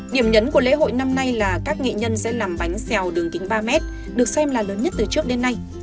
điểm nhấn của lễ hội năm nay là các nghệ nhân sẽ làm bánh xèo đường kính ba m được xem là lớn nhất từ trước đến nay